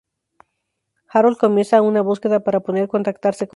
Harold comienza una búsqueda para poder contactarse con Karen.